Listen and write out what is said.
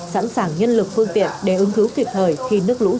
sẵn sàng nhân lực phương tiện để ứng cứu kịp thời khi nước lũ dâng cao